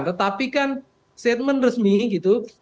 tetapi kan statement resmi gitu